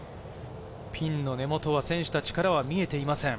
ピンの根元は選手たちからは見えていません。